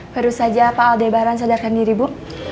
baru saja pak aldebaran sadarkan diri bu